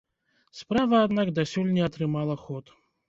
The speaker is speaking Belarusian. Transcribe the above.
Справа, аднак, дасюль не атрымала ход.